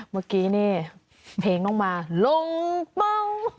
เมื่อกี้นี่เพลงต้องมาลงเป้า